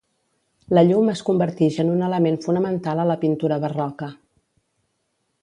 La llum es convertix en un element fonamental a la pintura barroca.